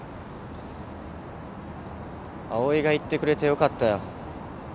葵が行ってくれてよかったよ。